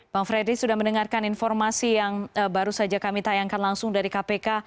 bang fredrik sudah mendengarkan informasi yang baru saja kami tayangkan langsung dari kpk